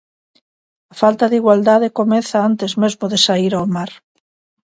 A falta de igualdade comeza antes mesmo de saír ao mar.